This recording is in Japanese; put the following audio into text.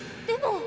でも。